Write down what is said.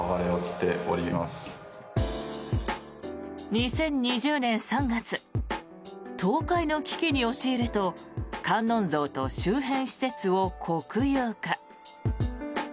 ２０２０年３月倒壊の危機に陥ると観音像と周辺施設を国有化。